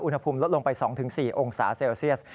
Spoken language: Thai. อุณหภูมิลดลงไป๒๔องศาเซลเซียส